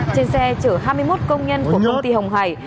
trên xe chở hai mươi một công nhân của công ty hồng hải